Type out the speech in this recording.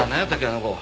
あの子。